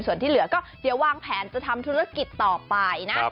ส่วนที่เหลือก็เดี๋ยววางแผนจะทำธุรกิจต่อไปนะ